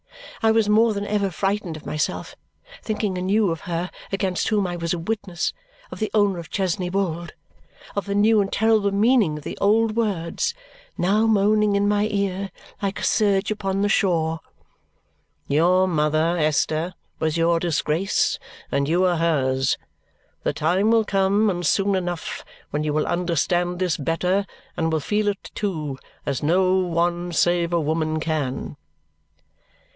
I was more than ever frightened of myself, thinking anew of her against whom I was a witness, of the owner of Chesney Wold, of the new and terrible meaning of the old words now moaning in my ear like a surge upon the shore, "Your mother, Esther, was your disgrace, and you are hers. The time will come and soon enough when you will understand this better, and will feel it too, as no one save a woman can."